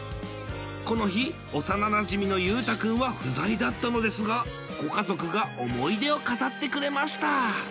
この日幼なじみのゆうたくんは不在だったのですがご家族が思い出を語ってくれました